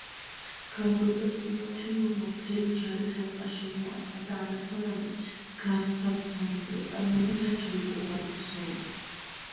გაბოროტებულმა თემურმა მთელი ჯარით ალყა შემოარტყა და ამასთანავე, გასცა ბრძანება ეწარმოებინათ შეუპოვარი ბრძოლა.